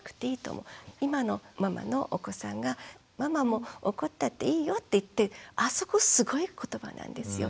今のママのお子さんが「ママも怒ったっていいよ」って言ってあそこすごい言葉なんですよ。